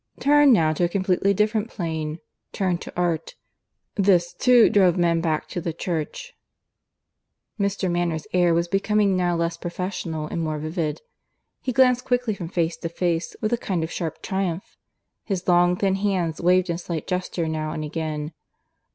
"Turn now to a completely different plane. Turn to Art. This, too, drove men back to the Church." (Mr. Manners' air was becoming now less professional and more vivid. He glanced quickly from face to face with a kind of sharp triumph; his long, thin hands waved a slight gesture now and again.)